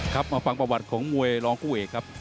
ครับมาฟังประวัติของมวยรองคู่เอกครับ